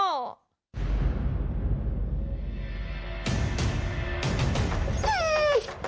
เย้